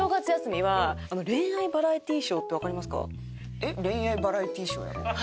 えっ恋愛バラエティショーやろ？